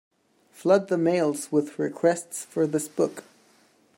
Flood the mails with requests for this book.